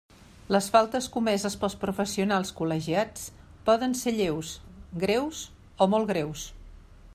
Les faltes comeses pels professionals col·legiats poden ser lleus, greus o molt greus.